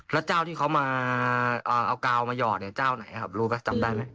แล้วเจ้าที่เขามาเอากาวมาหยอดเนี่ยเจ้าไหนครับรู้ไหมจำได้ไหม